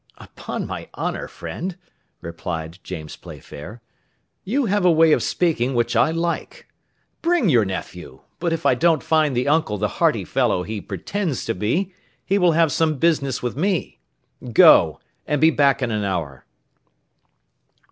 "Upon my honour, friend," replied James Playfair, "you have a way of speaking which I like; bring your nephew, but if I don't find the uncle the hearty fellow he pretends to be, he will have some business with me. Go, and be back in an hour."